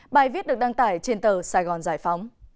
bài viết được đăng tải trên tờ sài gòn giải phóng